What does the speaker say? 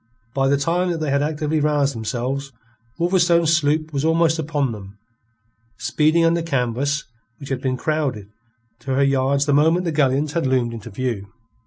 By the time that they had actively roused themselves, Wolverstone's sloop was almost upon them, speeding under canvas which had been crowded to her yards the moment the galleons had loomed into view.